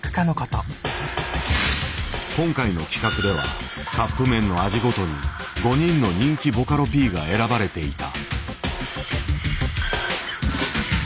今回の企画ではカップ麺の味ごとに５人の人気ボカロＰが選ばれていた。